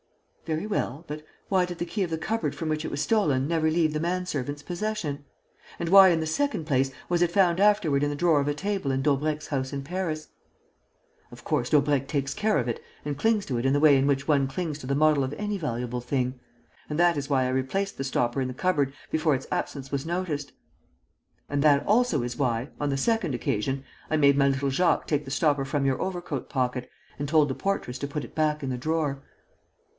"Very well; but why did the key of the cupboard from which it was stolen never leave the man servant's possession? And why, in the second place, was it found afterward in the drawer of a table in Daubrecq's house in Paris?" "Of course, Daubrecq takes care of it and clings to it in the way in which one clings to the model of any valuable thing. And that is why I replaced the stopper in the cupboard before its absence was noticed. And that also is why, on the second occasion, I made my little Jacques take the stopper from your overcoat pocket and told the portress to put it back in the drawer."